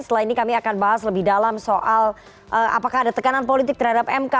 setelah ini kami akan bahas lebih dalam soal apakah ada tekanan politik terhadap mk